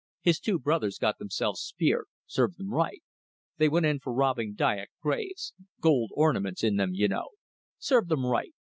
His two brothers got themselves speared served them right. They went in for robbing Dyak graves. Gold ornaments in them you know. Serve them right.